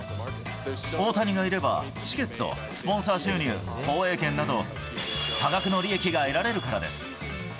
大谷がいれば、チケット、スポンサー収入、放映権など、多額の利益が得られるからです。